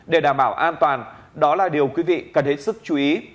để đảm bảo an toàn đó là điều quý vị cần hết sức chú ý